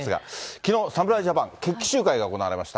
きのう、侍ジャパン決起集会が行われました。